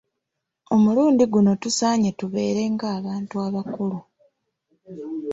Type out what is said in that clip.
Omulundi guno tusaanye tubeera nga abantu abakulu.